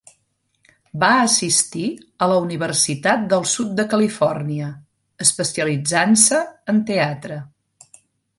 Va assistir a la Universitat del Sud de Califòrnia, especialitzant-se en teatre.